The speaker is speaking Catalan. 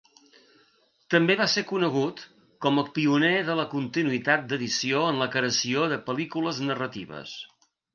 També va ser conegut com a pioner de la continuïtat d'edició en la creació de pel·lícules narratives.